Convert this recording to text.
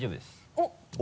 おっ。